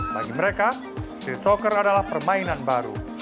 bagi mereka street soccer adalah permainan baru